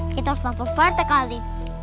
kita harus mampir pertama kali